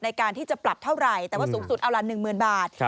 ในการที่จะปรับเท่าไหร่แต่ว่าสูงสุดเอาละ๑๐๐๐บาท